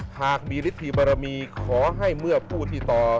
หากมีฤทธิบารมีขอให้เมื่อผู้ที่ต่อ